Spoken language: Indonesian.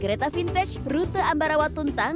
kereta vintage rute ambarawa tuntang